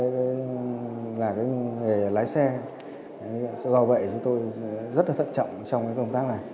do vậy tôi rất thận trọng trong công tác này